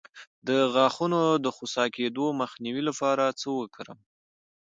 د غاښونو د خوسا کیدو مخنیوي لپاره څه وکاروم؟